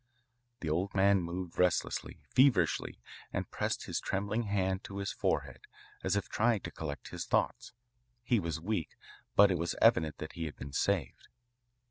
The old man moved restlessly, feverishly, and pressed his trembling hand to his forehead as if trying to collect his thoughts. He was weak, but it was evident that he had been saved.